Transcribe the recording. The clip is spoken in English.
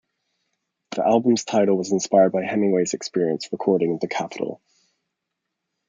The album's title was inspired by Hemingway's experience recording in the capital.